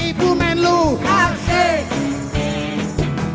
ibu menlu asik